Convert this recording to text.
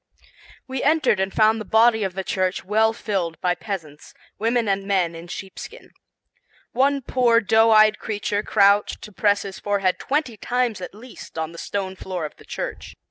We entered and found the body of the church well filled by peasants, women and men in sheepskin. One poor doe eyed creature crouched to press his forehead twenty times at least on the stone floor of the church.